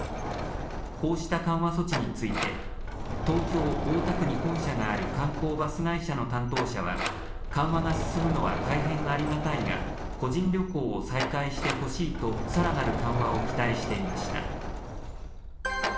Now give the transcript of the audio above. こうした緩和措置について、東京・大田区に本社がある観光バス会社の担当者は、緩和が進むのは大変ありがたいが、個人旅行を再開してほしいと、さらなる緩和を期待していました。